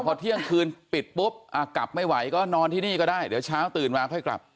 พอเที่ยงคืนปิดปุ๊บกลับไม่ไหวก็นอนที่นี่ก็ได้เดี๋ยวเช้าตื่นมาค่อยกลับ